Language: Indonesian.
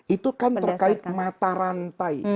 itu kan terkait mata rantai